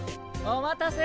お待たせ。